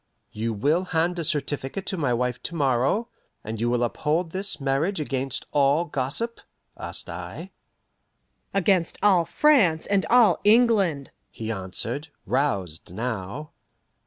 "You will hand a certificate to my wife to morrow, and you will uphold this marriage against all gossip?" asked I. "Against all France and all England," he answered, roused now.